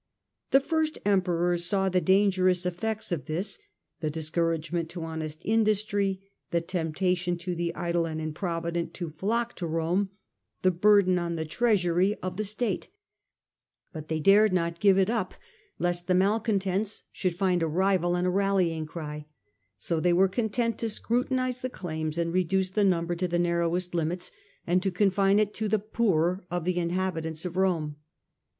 The first Emperors saw the dangerous effects of this — the discouragement to honest industry, the temptation to the idle and improvi dent to flock to Rome, the burden on the treasury of the Life m the Provinces, i8i state — but they dared not give it up, lest the malcontents should find a rival and a rallying cry ; so they were con tent to scrutinize the claims and reduce the number to the narrowest limits and to confine it to the poorer of the inhabitants of Rome.